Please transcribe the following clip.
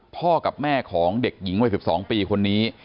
พ่อกับแม่ของเด็กหญิงวัย๑๒ปีคนนี้